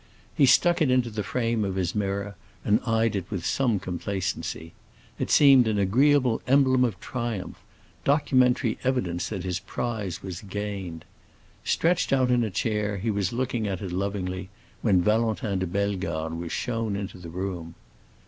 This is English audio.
He stuck it into the frame of his mirror and eyed it with some complacency; it seemed an agreeable emblem of triumph, documentary evidence that his prize was gained. Stretched out in a chair, he was looking at it lovingly, when Valentin de Bellegarde was shown into the room.